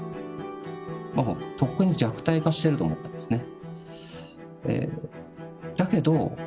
とっくに弱体化してると思ってたんですね。